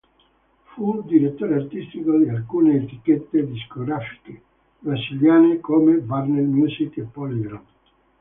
Fu direttore artistico di alcune etichette discografiche brasiliane come Warner Music e PolyGram.